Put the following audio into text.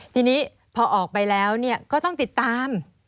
ทีนี้พอออกไปแล้วก็ต้องติดตาม